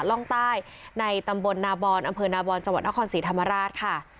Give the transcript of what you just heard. ร่องใต้ในตำบลนาบอนอำเภอนาบอนจังหวัดนครศรีธรรมราชค่ะ